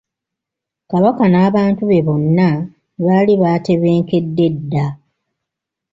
Kabaka n'abantu be bonna baali batebenkedde dda.